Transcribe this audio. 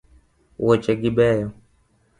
Wuoche gi beyo